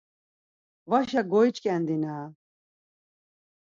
Vaşa goiç̌ǩendina.